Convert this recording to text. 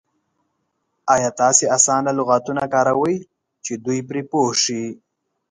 ایا تاسې اسانه لغتونه کاروئ چې دوی پرې پوه شي؟